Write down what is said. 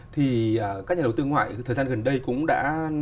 thì các nhà đầu tư ngoại thời gian gần đây cũng đã